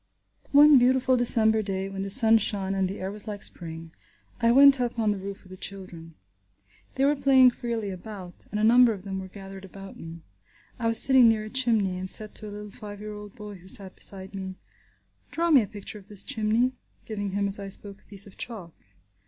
One beautiful December day when the sun shone and the air was like spring, I went up on the roof with the children. They were playing freely about, and a number of them were gathered about me. I was sitting near a chimney, and said to a little five year old boy who sat beside me, "Draw me a picture of this chimney," giving him as I spoke a piece of chalk.